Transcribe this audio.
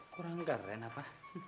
kurang keren apa